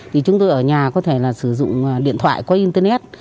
thì chúng tôi ở nhà có thể là sử dụng điện thoại qua internet